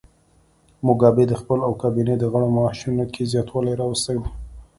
موګابي د خپل او کابینې د غړو معاشونو کې زیاتوالی راوستی و.